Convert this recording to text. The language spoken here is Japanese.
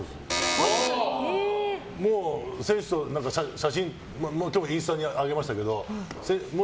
もう、選手と写真今日もインスタに上げましたけど。